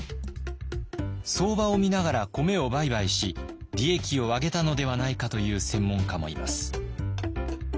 相場を見ながら米を売買し利益を上げたのではないかと言う専門家もいます。